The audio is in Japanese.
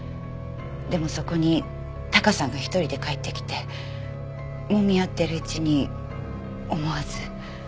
でもそこにタカさんが１人で帰ってきてもみ合っているうちに思わず。